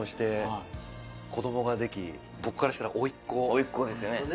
おいっ子ですよね。